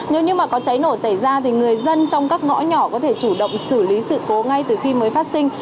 nếu như mà có cháy nổ xảy ra thì người dân trong các ngõ nhỏ có thể chủ động xử lý sự cố ngay từ khi mới phát sinh